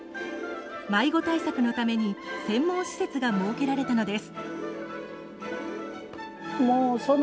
迷子対策のために専門施設が設けられたのです。